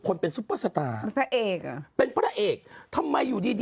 พลิกต๊อกเต็มเสนอหมดเลยพลิกต๊อกเต็มเสนอหมดเลย